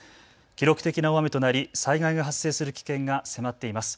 記録的な大雨となり災害が発生する危険が迫っています。